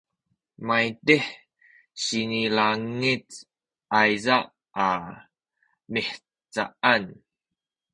maydih sinilangec ayza a mihcaan